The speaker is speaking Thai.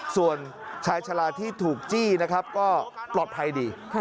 ส่วนชายชะลาที่ถูกจี้นะครับก็ปลอดภัยดี